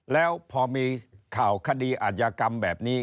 แล้วพอมีข่าวคดีอาจยากรรมแบบนี้